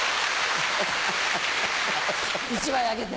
１枚あげて。